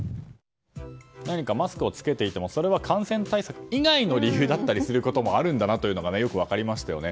マスクを着けていても感染対策以外の理由だったりすることもあるんだなというのがよく分かりましたよね。